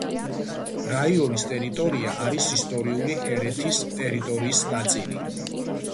რაიონის ტერიტორია არის ისტორიული ჰერეთის ტერიტორიის ნაწილი.